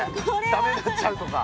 駄目になっちゃうとか。